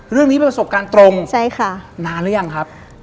เรื่องนี้เป็นประสบการณ์ตรงนานรึยังครับใช่ค่ะ